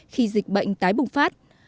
khi dịch bệnh tái bùng phát